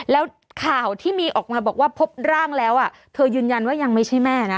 แล้วข่าวที่มีออกมาบอกว่าพบร่างแล้วเธอยืนยันว่ายังไม่ใช่แม่นะ